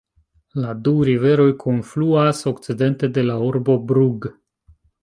La du riveroj kunfluas okcidente de la urbo Brugg.